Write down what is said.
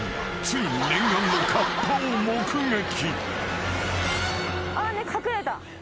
ついに念願のカッパを目撃］